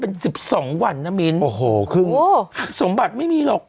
เป็นสิบสองวันนะมิ้นโอ้โหครึ่งโอ้สมบัติไม่มีหรอก